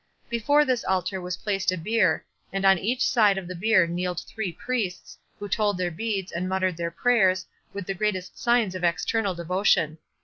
Before this altar was placed a bier, and on each side of this bier kneeled three priests, who told their beads, and muttered their prayers, with the greatest signs of external devotion.